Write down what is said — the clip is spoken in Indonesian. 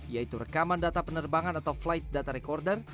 yaitu rekaman data penerbangan atau flight data recorder